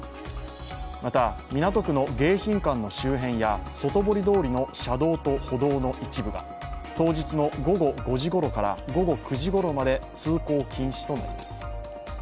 また、港区の迎賓館の周辺や外堀通りの車道と歩道の一部が当日の午後５時ごろから午後９時ごろまで通行禁止となります。